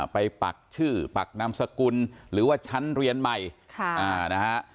ไปปักชื่อปักนำสกุลหรือว่าชั้นเรียนใหม่ค่ะอ่านะฮะ